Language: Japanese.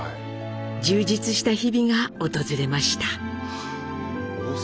充実した日々が訪れました。